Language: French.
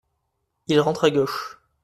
Il rentre à gauche.